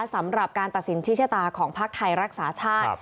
สำหรับการตัดสินชี้ชะตาของพักไทยรักษาชาติ